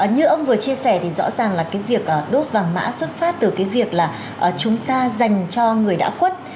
như ông vừa chia sẻ thì rõ ràng là cái việc đốt vàng mã xuất phát từ cái việc là chúng ta dành cho người đã khuất